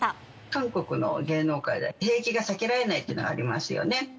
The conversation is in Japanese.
韓国の芸能界では、兵役が避けられないっていうのはありますよね。